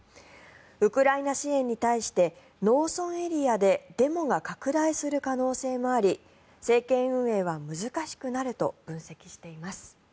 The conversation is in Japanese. ウクライナ支援に対して農村エリアでデモが拡大する可能性もあり政権運営は難しくなると分析しています。